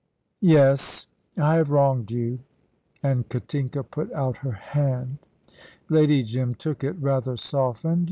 "Yes. I have wronged you"; and Katinka put out her hand. Lady Jim took it, rather softened.